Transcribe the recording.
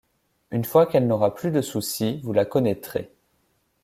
Une fois qu’elle n’aura plus de soucis, vous la connaîtrez.